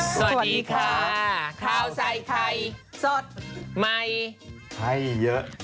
สวัสดีค่ะข้าวใส่ไข่สดใหม่ให้เยอะ